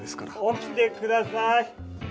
起きてください！